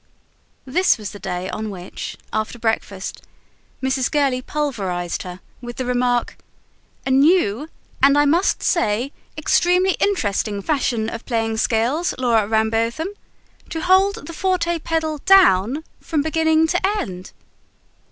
This was the day on which, after breakfast, Mrs. Gurley pulverised her with the remark: "A new, and, I must say, extremely interesting, fashion of playing scales, Laura Rambotham! To hold, the forte pedal down, from beginning to end!"